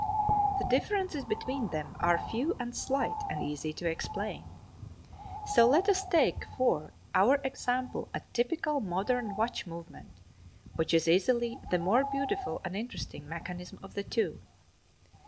The differences between them are few and slight and easy to explain. So let us take for our example a typical modern watch movement, which is easily the more beautiful and interesting mechanism of the two.